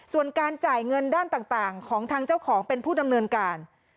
ส่วนการจ่ายเงินด้านต่างของทางเจ้าของเป็นผู้ดำเนินการ